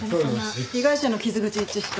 被害者の傷口一致した。